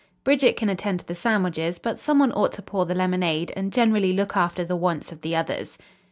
Bridget can attend to the sandwiches, but some one ought to pour the lemonade and generally look after the wants of the others."